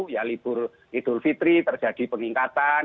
ya libur idul fitri terjadi peningkatan